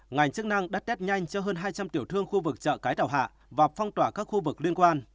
ngành chức năng đất test nhanh cho hơn hai trăm linh tiểu thương khu vực chợ cái đảo hạ và phong tỏa các khu vực liên quan